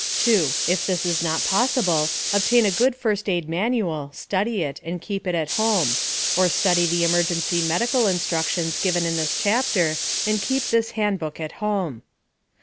2. If this is not possible, obtain a good first aid manual, study it, and keep it at home; or study the emergency medical instructions given in this chapter, and keep this handbook at home.